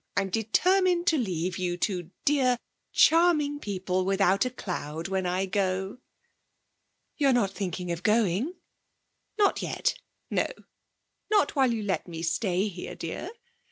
I'm determined to leave you two dear, charming people without a cloud, when I go.' 'You're not thinking of going?' 'Not yet ... no. Not while you let me stay here, dear.